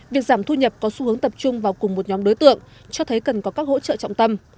việc giảm thu nhập có xu hướng tập trung vào cùng một nhóm đối tượng cho thấy cần có các hỗ trợ trọng tâm